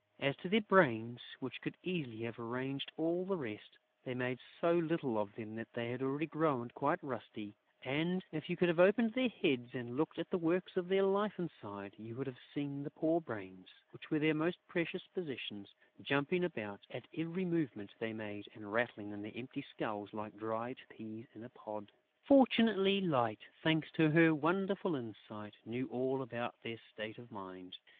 As to their brains, which could easily have arranged all the rest, they made so little of them that they had already grown quite rusty; and, if you could have opened their heads and looked at the works of their life inside, you would have seen the poor brains, which were their most precious possession, jumping about at every movement they made and rattling in their empty skulls like dry peas in a pod. Fortunately, Light, thanks to her wonderful insight, knew all about their state of mind.